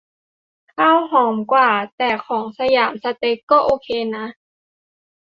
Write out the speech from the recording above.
ข้าวหอมกว่า แต่ของสยามสเต็กก็โอเคนะ